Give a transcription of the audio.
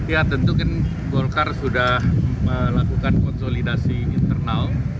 ya tentu kan golkar sudah melakukan konsolidasi internal